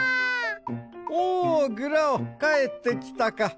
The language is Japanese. おおグラオかえってきたか。